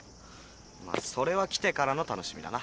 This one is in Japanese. まっそれは来てからの楽しみだな。